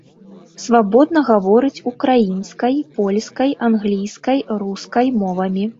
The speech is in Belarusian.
Свабодна гаворыць украінскай, польскай, англійскай, рускай мовамі.